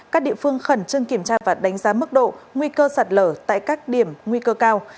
các địa phương khẩn trương kiểm tra và đánh giá mức độ nguy cơ sạt lở tại các điểm nguy cơ cao